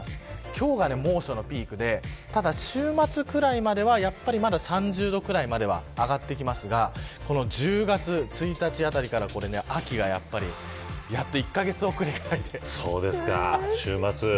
今日が猛暑のピークでただ、週末くらいまではやっぱりまだ３０度くらいまでは上がってきますが１０月１日あたりから、秋がやっと１カ月遅れで。